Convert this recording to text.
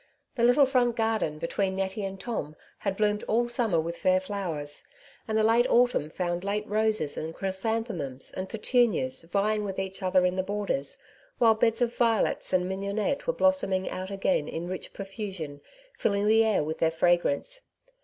The little front garden, between Nettie and Tom, had bloomed all summer with fair flowers ; and the late autumn found late roses, and chrysanthemums, and petunias, vying with each other in the borders, while beds of violets and mignonette were blossoming out again in rich profusion, filling the air with their fragrance.